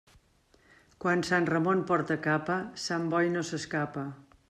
Quan sant Ramon porta capa, sant Boi no s'escapa.